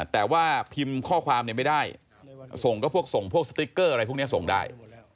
แต่ว่าพิมพ์ข้อความไม่ได้ส่งก็พวกส่งพวกสติ๊กเกอร์อะไรพวกนี้ส่งได้